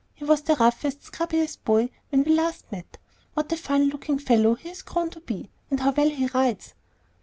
"He was the roughest, scrubbiest boy when we last met. What a fine looking fellow he has grown to be, and how well he rides!"